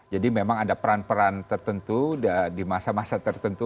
jadi memang ada peran peran tertentu di masa masa tertentu